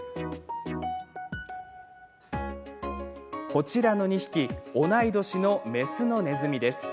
こちらの２匹同い年の雌のネズミです。